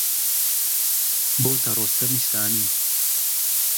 بۆتە ڕۆستەمی سانی